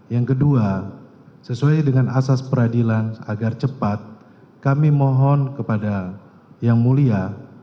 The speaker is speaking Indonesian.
yang kedua sesuai dengan asas peradilan agar cepat kami mohon kepada yang mulia